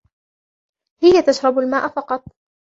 هي تشرب الماء فقط.